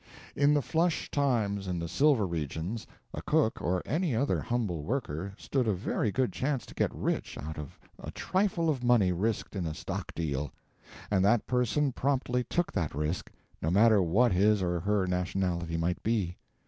In the flush times in the silver regions a cook or any other humble worker stood a very good chance to get rich out of a trifle of money risked in a stock deal; and that person promptly took that risk, no matter what his or her nationality might be.